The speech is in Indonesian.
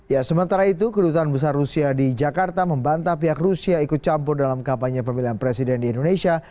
ya sementara itu kedutaan besar rusia di jakarta membantah pihak rusia ikut campur dalam kapanya pemilihan presiden di indonesia